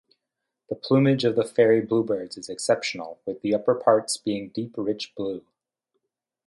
The plumage of the fairy-bluebirds is exceptional, with the upperparts being deep rich blue.